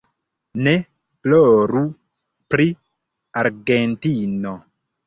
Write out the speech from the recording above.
Ne ploru pri Argentino!